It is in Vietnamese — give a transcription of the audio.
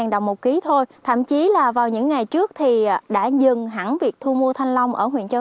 đồng một ký thôi thậm chí là vào những ngày trước thì đã dừng hẳn việc thu mua thanh long ở huyện châu